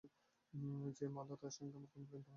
যে মারল তার সঙ্গে আমার কোনো লেনাদেনা নেই, চিনি না পর্যন্ত।